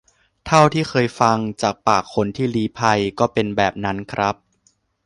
เท่าที่เคยฟังจากปากคนที่ลี้ภัย ก็เป็นแบบนั้นครับ